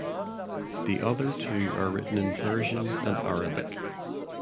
The other two are written in Persian and Arabic.